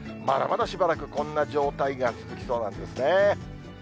まだまだしばらくこんな状態が続きそうなんですね。